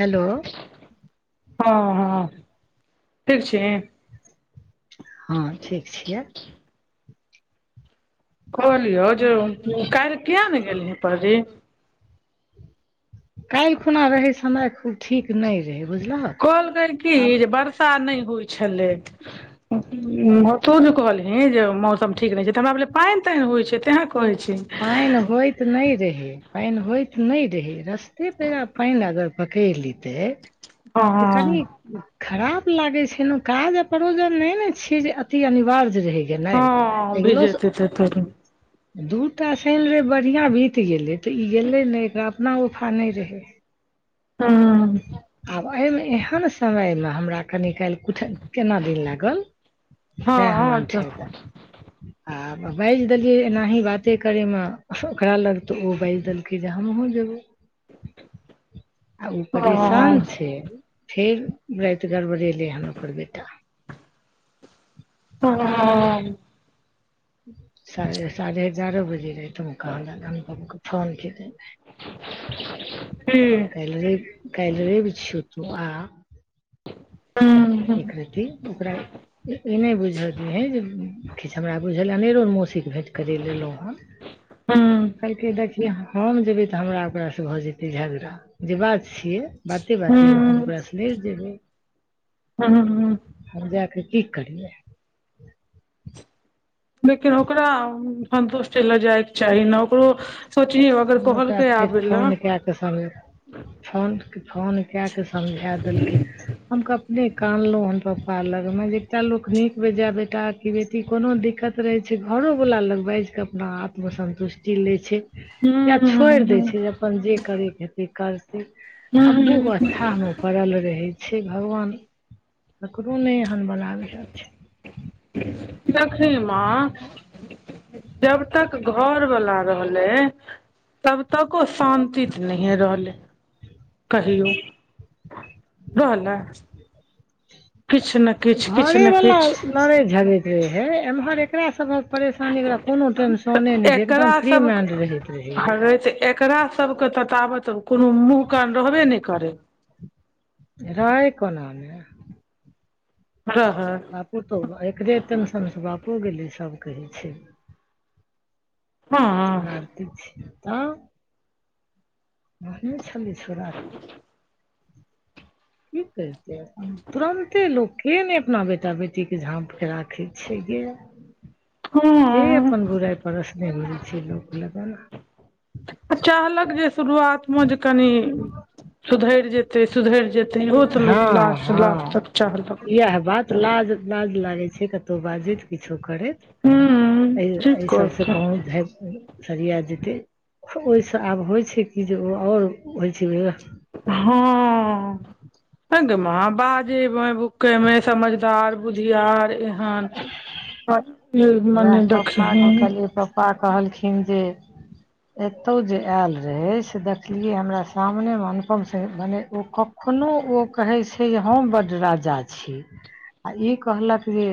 Hello हँ हँ ठीक छीही हँ ठीक छियै कहलियौ जे काइल किया ने गेली परी काल्हि खुना रहै समय खूब ठीक नय रहै बुझलहक कलकै की आब जे बर्स बरसा नहि होइ छलै तू जे कहली जे मौसम ठीक रह छै तऽ हमरा भेलै पानि तइन होइ छै तेहं कहे छै पाइन होयत त नहि रहै पानि होइत नहि रहै रस्ते पेरा पानि अगर पकड़ि लेतै त कनि हँ खराप लागे छै ने काज आ परोजन नय ने छिये जे अति अनिवार्य रहै गेलय हँ एगलो स भिजेतै त तर दू टा शन रइब बढ़िआँ बीत गेलै तऽ ई गेलै ने एकरा अपना उफा नय रहै हुँ आब एहिमे एहन समयमे हमरा कनी काल्हि कनी केना दन लागल तै हम हँ अंठा देलो [inaudible] आ बाजि देलियै एनाही बाते करैमे ओकरा लग तऽ ओ बाजि देलकैय जे हमहु जेबौ आ ओ हँ परेशान छैय फेर राति गड़बड़ेलैय हन ओकर बेटा बुझ [unintelligible] हँ सा साढ़े एगारह बजे रातिमे कहा दन अनुपमके फोन केने रहैय। की कैल रैब कैल रैब छियौ तु आ हूँ हूँ एकरति ओकरा इ नै बुझऽ दियैह जे किछ हमरा बुझल अनेरो मौसीक के भेंट करैय एलहु ह हूँ कहलकैय देख किएक हम जेबै तऽ हमरा ओकरास भऽ जेतैय झगड़ा जे बात छियैय बाते बातेमे हम ओकरास लड़ि जेबैय हुहुहुहु हम जा कऽ की करियै लेकिन ओकरा सन्तुष्ट लय जाइके चाही ने ओकरो सोचियौ अगर हम ओकरा कहलकै फेर आबै लए हूं फोन कए कऽ समझ फोन फोन कऽके समझा देलकै हम क अपने कानलो हन पपा लगमे जे एकटा लोक नीक बेजाय बेटा क कि बेटी कोनो दिक्कत रहैय छैय घरोवला लग बाजिकऽ आपम आत्मसन्तुष्टि लैय छैय। या छोड़ि हूं दैय छैय जब अपन जे करेयक हेतैय करतैय आबुह हूं अथाहमे पड़ल रहेय। छैय भगवान ककरो नै एहन बनाबियह। देखी माँ जब तक घरवला रहलैय। तब तक ओ शान्ति स नहिए रहलैय कहियो। गहनक किछ न किछ न लरे झगरैत रहै हेय एम्हर एकरा सबक परेशानी एकर [inaudible] कोनो तऽ टेंशने नै रहैये एकरा एकदम फ्री सब मेड रहैत रहत रहै इ। हरै तऽ एकरा सबके त ताबत कोनो मुॅह कान रहबे नै करेय। रहैय कोना नै। रहैय। आ पुतहु एकरे टेंशनस बापो गेलैय सब कहैय छै। हँ कार्तिक छी आ कहने छलैय छोड़ा की करिते तुरन्ते लोक के नै अपना बेटा बेटी कतेक झापके राखे छैय गे के हँ अपन बुराइ परोसने [inaudible] घुरैय छैय लोक लगन चाहलक जे शुरुआत मे जे कनि सुधेर जेतय तैय सुधेर जेतेय इहो तऽ लोक लास्ट लास्ट तक चाहलक। इहा बात लाज लाज लागैत छैय कतहु बाजैत किछो करैत। हूँ एइ ठीक एइ सबस कहलकै कोनो धैर्य। सरिया जेतैय ओहिस आब होइ छैय कि जे ओ आओर होइ छैय ह अइ गे माँ बाजेबमे भुकैयमे समझदार बुधियार ऐहन पर वैह पपाक कहलियै पप्पा कहलखिन जे एतौ जे, आयल रहय से देखलियै हमरा सामनेमे अनुपम से भने ओ कप। कोनो ओ कहैय छैय हम बड राजा छी आ इ कहलक जे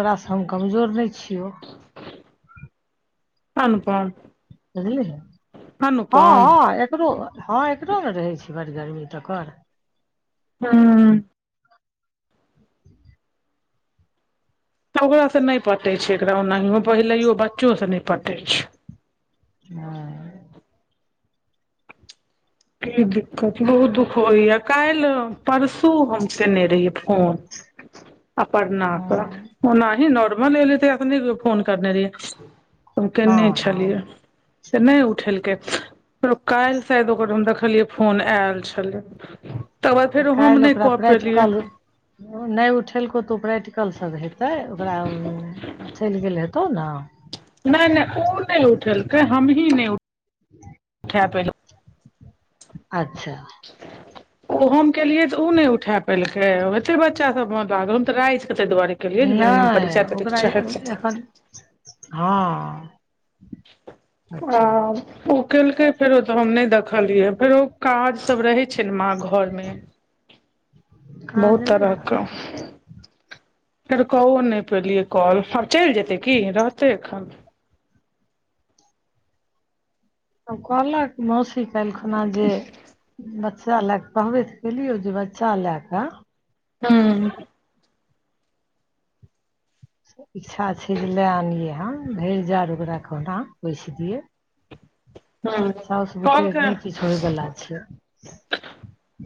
तोरास हम कमजोर नै छियौ। [inaudible] अनुपम। बुझलियै, हँ अनुपम हँ एकरो हँ एकरो ने रहै छै बड़ गरमी तखन हुँ ओकरा सँ नहि पटै छै एकरा ओनाहियो, पहिलयो बच्चो से नहि पटै छै। हँ [inaudible] की दिक्कत, बहुत दुःख होइया काल्हि परसू हम केने रहियै फोन। अपर्णा कऽ हँ ओनाहि नॉर्मल अल तऽ नहि फोन करने रह य। केने छलियै हँ त नहि उठेलकै फेरो कएल शायद। ओकर देखलियै फोन आयल छलै तकर बाद तऽ फेरो हम काल्हि नहि ओकरा कऽ पेलियै। प्रैक्टिकल नहि उठेलको तऽ ओ प्रैक्टिकलसभ हेतै ओकरा। चलि गेलै हेतोव ना। नहि नहि ओ नहि उठलकै हमी नहि उठ। खा पैलहूँ अच्छा ओ हम केलियै तऽ ओ नहि उठा पेलकै लए ओ बच्चा सब मन ल [unintelligible] तऽ रहि छै तैहि दुआरे केलियै जे दिन नहि परीक्षा ओकरा तरीक्षा हेतै ए-एखन हाँ आ ओ केलकै फेरो तऽ हम नहि देखलियै फेरो काज सब रहै छै न माँ घरमे काज बहुत नहि तरहक। रहतै फेर कओ नहि पलियै कॉलफेर चलि जेते की रहतै एखन तब कहलक मौसी कालिह खुना जे बच्चा लए क क़हबे त केलियौ जे बच्चा लए क हूँ इच्छा छै जे लए आनियै हन भरि जाड़ ओकरा कहुना पोएस दियै हूँ साउस कॉल बूते नहि किछु होइवला छै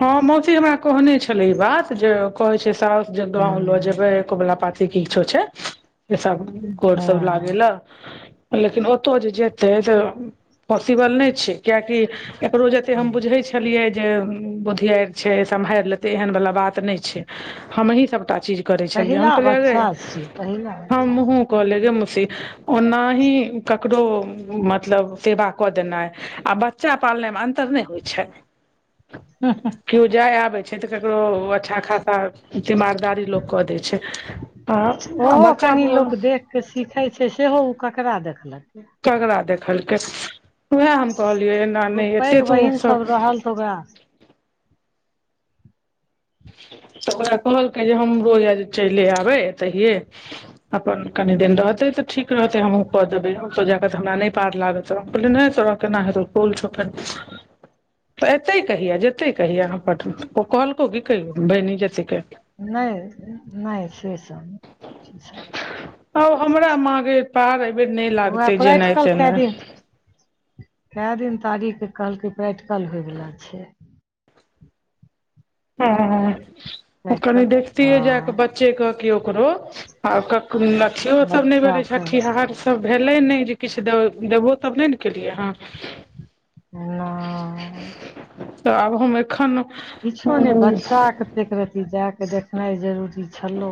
हाँ मौसी हमरा कहने छल ई बात जे कहए छै साउस जे गाँंव लऽ हूँ जेबै कबुला पाती किछो छै से सब गोर सब लागे हँ लए लेकिन ओतौ जे जेते तऽ पॉसिबल नहि छै क्याकि एकरो जते हम बुझे छी छलियै जे बुधियार छै सम्हारि लेतै एहन बला बात नहि छै हमही सबटा चीज करै छलियै हम पहिला कहलिये गै बच्चा छियै पहिला बच्चा हमहूँ क लेगे मौसी ओना ही ककरो मतलब सेवा कऽ देना आ बच्चा पालयनामे अन्तर नहि होइ छै केओ जाय आबै छै तऽ ककरो अच्छा खासा दीमागदारी लोक कऽ दै छै आ ओहो बच्चा कनि लोक पोल्स देख के सीखै छै, सेहो ओ केकरा देखलकय। ककड़ा देखलकै उएह हम कहलियै एना नहि एते तू सब त ओकरा तऽ ओकरा कहलकै जे हमरोज चलि आबै एतहिये। अपन कनि दिन रहते तऽ ठीक रहते हमहूँ कऽ देबै ओत जाक तऽ हमरा नहि पार लागत नहि तोरा कना हेतो स्कूल छो फेर तऽ एते कहिया जेते कहिया पटना ओ कहलको की कहिय बनी जेते केयला नहि नहि से सब ओ हमरा माँ गे पार एहिबेर नहि उएह लागते जेनाइ प्रैक्टिकल कए तेनाइ दिन कए दिन तारीख कहलकै प्रैक्टिकल होयवला छै। हँ-हह कनि प्रैक्टिकल देखतियै हँ जाकऽ बच्चे के कि ओकरो आ कखनो नथीयो सेहो सब नहि बनै छै बच्चाके छठिहार तऽभैले नैइ किछ दैबे देबहो तब नै न केलिये हन नहि तऽ आब हम ऐखन किछो ने बच्चा के ऐक रति जाय के देखनाइ जरूरी छलो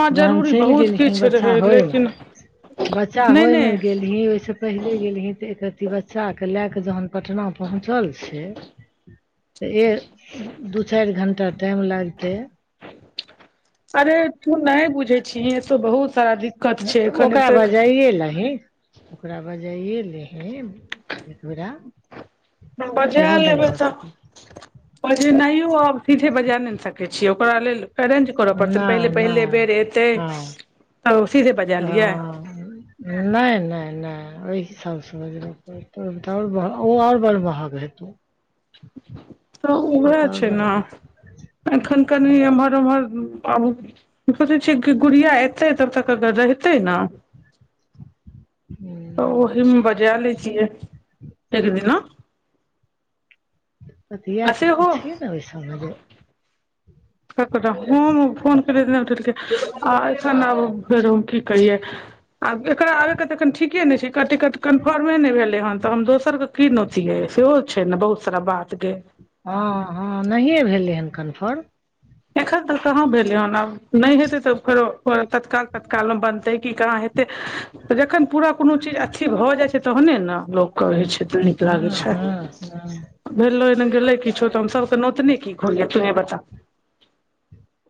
माँ जरूरी चलि बहुत गेलखिन किछु बच्चा रहै होय लेकिन बच्चा नहि होयमे नहि गेल गेलही ओहिस पहिले गेलही तऽ एक रती बच्चा के ले के जहन पटना पहुंचल छै तऽ ए दू चारि घंटा टाइम लागते अरे तू नहि बुझे छीहीन एत बहुत सारा दिक- तऽ ओकरा बजाइए लहीन ओकरा बजाइए लिहींन एकबेरा सेहो नहि भऽ सकै नहियो आब सीधे बजा नय ने सकैत छीयै ओकरा लेल करैट अछि करऽ पड़तै नहि पहिले पहिले नहि बेर एतै हँ तऽ सीधे बजा लियै। नै नै नै ओहि हिसाब से बजब परतै। ओल ओ आ और बड़ महंग हेतौ। तऽ ओ उहो तऽ आओर छैय बड़ नै। महग एखन कनि एमहर उम्हर आब। सोचै छियै की गुड़िया एतै तब तक एतह रहतै न। [unintelligible] तऽ ओहि मे बजा लेछीये एक दिना। आ बतियाके सेहो पुछि ने ओहि सब जे। ककरा हम फोन केलिये तऽनैउठेलके आ एखन आब फेरो की कहिये। आब एकरा आबे के तऽ अखन ठीके नै छैय। टिकट कन्फर्म नहि भेले हन तऽ हम दोसर के की नोतियए सेहो छैय ने बहुत सारा बात गे। हाँ हाँ नहिये भेलै हन कन्फर्म। एखन तक कहाँ भेलै हन आब नहि हेते तऽ फेरो तत्काल तत्काल में बनते। की केना हेतै। तऽ जखन पूरा कोनो चीज अथि भऽ जाइ छैय तखने ने लोक कहे छैय तऽ नीक लागै छैय। हाँ। भेलए नै गेलै किछो तऽ हम सबके नोतने की घुरिये तुसी बता।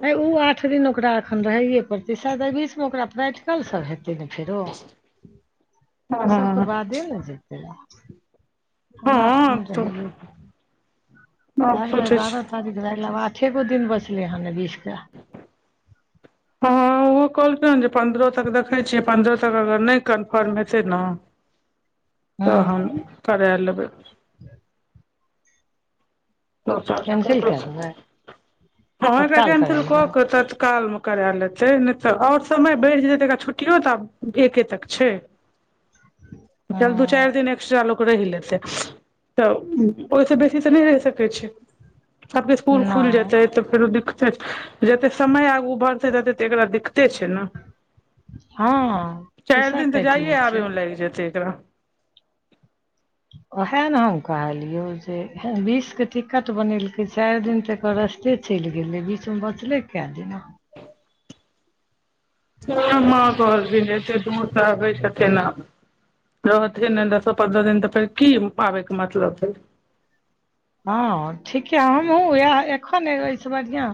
है उ आठ दिन ओकरा एखन रहैये पड़ते साइद बीच मे ओकरा प्रैक्टिकल सब हेतै ने फेरो। इ सबके हँ बादे ने जेतै ल। ओना आठ हँ दिन तऽ रहले आब भए गेलै सोचै छी बारह दिन। हो गेलै आठेगो दिन बचले हन बीचके। हाँ उ कहलके हन जे पन्द्रह तक देखैत छियै पन्द्रह तक अगर नहि कन्फर्म हेतै ने। हँ तहन करा लेबै। [unintelligible] केन कैंसिल कए देबै तत्काल करा लेबै कक त कल मे करा लेतै नय तऽऔर समय बढ़ि जेतै तऽ एकरा छुट्टीयो तऽ आब एके तक छैय। चल दू चारि हँ दिन एक्स्ट्रा लोक रहि लेतै। तऽ ओहिसे बेसी तऽ नय रहि सकै छैय। सब स्कूल खुल नहि जेतै तऽ फेरो दिक्कत छैय। जते समय आगू बढ़तै तते तऽ एकरा दिक्कते छैय न। हँ चारि पैसा दिन तऽ काटि लै जाइए आबै छै मे लागि जेतै एकरा उएह ने हम कहलिये जे बीस के टिकट बनेलकै चारि दिन तऽएकर के चलि गेलै बीचमे बचलै कैए दिना। सैह माँ कहलखिन एते दुर से आबै छैय केना रहते नै दसो पन्द्रह दिन तऽ फेर की पाबै के मतलब मैले। हँं ठीके हमहूँ इएह एखन एबै से बढ़ियां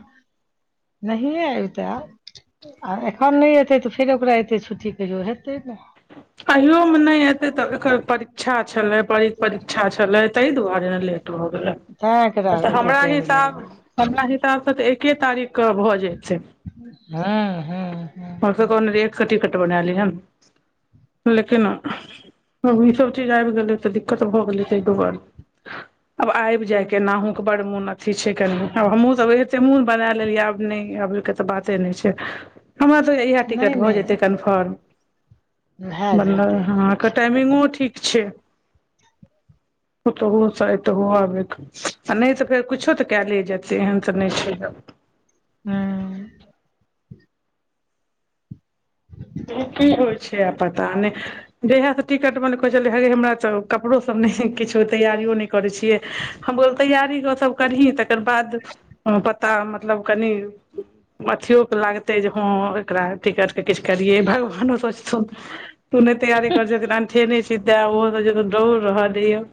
नहिए अइतै आब आ एखन नय एतै त फेर ओकरा एते छुट्टी कहियो हेतै ने अहियो मे नहि एते तऽ एकर परीक्षा छलै पर परीक्षा छलै ताहि दुआरे ऐले। तैँ एकरा अच्छा एतेक हमरा टाइम लागि हिसाब गेल हमरा से एके तारीख के भ। हाँ हाँ हाँ हम तऽ कहने रहिये एक टिकट बनाय लीयह। लेकिना ई सभ चीज आबि गेलै त दिक्कत भ गेलै तै दुआरे ह आब आबि जाय केनाहु कऽ बड़ मोन अथी छै कनि आब हमहुँ सब एते मोन बना लेलियै आब नय आबै कऽ तऽ बाते नै छै हमरा तऽ इहे नहि टिकट भऽ नहि जेतै कन्फर्म भए बनल जेतै हँ अकर टाइमिगो ठीक छै ओतहो सँ एतहो आबै कऽ आ नय तऽ फेर कुछो तऽ कैय लै जेतै एहन तऽ नइ छै गप हुँ की की होइ छै आ पता नय जहिया सँ टिकट बनलै कहै छलै हगै हमरा तऽ कपड़ो सभ नय छै किछो तैयारियो नय करै छियै हम कऽ तैयारी ओ सब करही तकर बाद पता मतलब कनि अथियो केँ लागतै जे हँ एकरा टिकट केँ किछ करिये भगवानो सोचथुन तू नइ तैयारी करै छथिन अनठेने विध्या ओ सब तऽ जे दौड़ रहल यऽ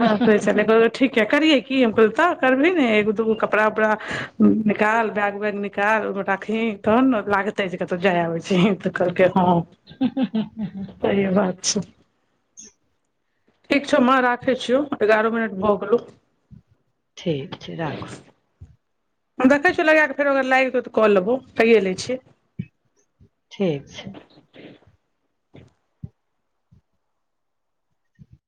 हसै छलै कहलकै ठीके करिअइ की हम कहलियै तऽ करभी ने एगो दूगो कपड़ा उपड़ा निकाल बैग वैग मे निकाल ओइमे राखही तखन नऽ लागतै जे कतहु जाय आबै छही तऽ कहलकै हँ हुं हुं हुं हुं हुं सही बात छै ठीक छौ माँ राखै छियौ एगारह मिनट भऽ गेलौ ठीक छै राख हम देखै छियौ लगै कऽ फेरो अगर लागि जेतय तऽ कऽ लेबौ कैए लै छी ठीक छै